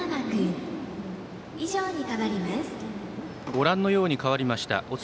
ご覧のように代わりました。